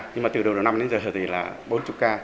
nhưng từ đầu đầu năm đến giờ thì là bốn mươi ca